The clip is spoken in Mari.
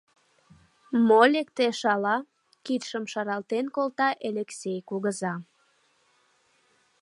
— Мо лектеш, ала, — кидшым шаралтен колта Элексей кугыза.